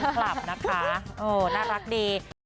แฟนคลับนะคะน่ารักดี